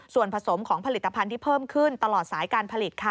ส่วนผสมของผลิตภัณฑ์ที่เพิ่มขึ้นตลอดสายการผลิตค่ะ